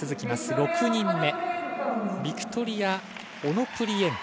６人目、ビクトリア・オノプリエンコ。